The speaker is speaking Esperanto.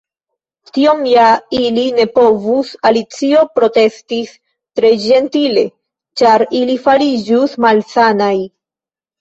"Tion ja ili ne povus," Alicio protestis tre ĝentile, "ĉar ili fariĝus malsanaj."